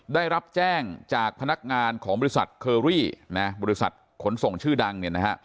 ได้รับแจ้งจากพนักงานของบริษัทเคอรี่บริษัทขนส่งชื่อดัง